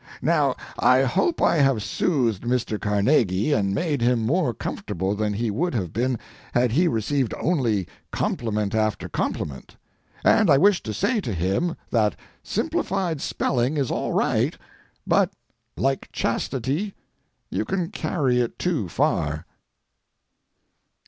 Now, I hope I have soothed Mr. Carnegie and made him more comfortable than he would have been had he received only compliment after compliment, and I wish to say to him that simplified spelling is all right, but, like chastity, you can carry it too far.